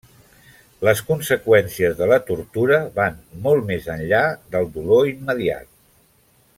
Les conseqüències de la tortura van molt més enllà del dolor immediat.